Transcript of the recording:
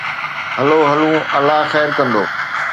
هلو هلون، الله خير ڪندو.